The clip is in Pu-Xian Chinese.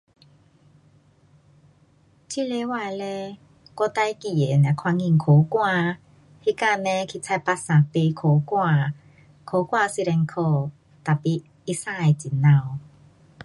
这礼拜嘞我最记得是看见苦瓜，那天嘞去菜巴萨买苦瓜，苦瓜虽然苦 tapi 它生得很美。